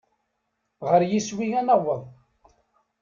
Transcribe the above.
Ɣer yiswi ad naweḍ.